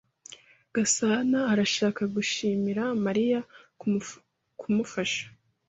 Gasana arashaka gushimira Mariya kumufasha.